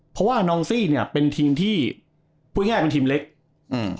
เพราะว่านองซี่เนี้ยเป็นทีมที่พูดง่ายเป็นทีมเล็กอืม